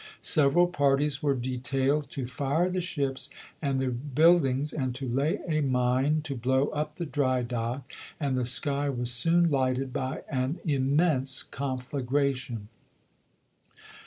Several parties were detailed to fire the ships and the buildings and to lay a mine to blow up the dry dock, and the sky was soon lighted by an immense conflagration.